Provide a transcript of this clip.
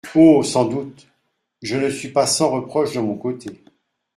Oh ! sans doute, je ne suis pas sans reproche de mon côté.